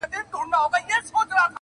امتحان لره راغلی کوه کن د زمانې یم ,